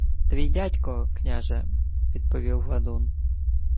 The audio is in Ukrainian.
— Твій дядько, княже, — відповів гладун.